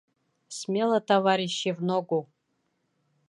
Смело, товарищи, в ногу!